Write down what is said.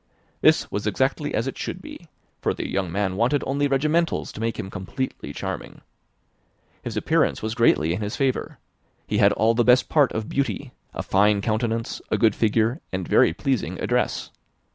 This was exactly as it should be; for the young man wanted only regimentals to make him completely charming. His appearance was greatly in his favour: he had all the best parts of beauty, a fine countenance, a good figure, and very pleasing address.